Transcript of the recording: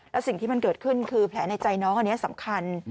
แล้วสิ่งที่มันเกิดขึ้นคือแผลในใจน้องอันนี้สำคัญ